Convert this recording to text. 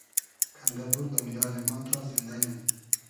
کئندۂ بوردۉم یالی ما تا زیندۂ یوم